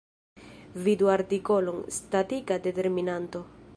Vidu artikolon: statika determinanto.